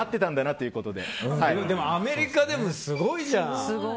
アメリカでもすごいじゃん。